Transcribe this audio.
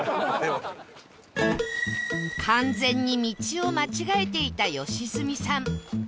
完全に道を間違えていた良純さん